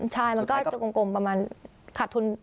ใช่มันก็จะกลมประมาณขาดทุน